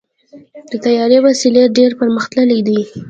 د طیارې وسایل ډېر پرمختللي دي.